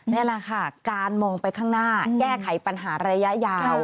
นี่แหละค่ะการมองไปข้างหน้าแก้ไขปัญหาระยะยาว